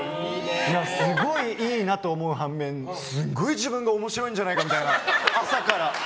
すごいいいなと思う反面すごい自分が面白いんじゃないかみたいな。